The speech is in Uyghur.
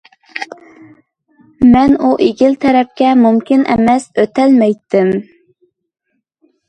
مەن ئۇ ئېغىل تەرەپكە مۇمكىن ئەمەس ئۆتەلمەيتتىم.